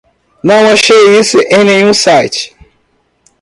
Não achei isso em nenhum site